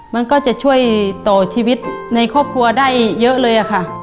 มันก็จะช่วยต่อชีวิตในครอบครัวได้เยอะเลยค่ะ